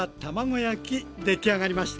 出来上がりました。